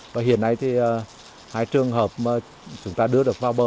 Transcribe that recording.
và hiện nay thì hai trường hợp mà chúng ta đưa được vào bờ